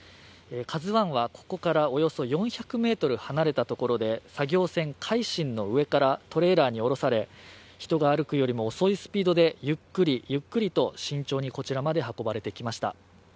「ＫＡＺＵⅠ」はここからおよそ４００ｍ離れたところで作業船「海進」の上からトレーラーに降ろされ、人が歩くよりも遅いスピードでゆっくり、ゆっくりと慎重にこちらまで運ばれてきました。